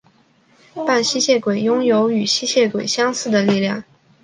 半吸血鬼拥有与吸血鬼相似的力量。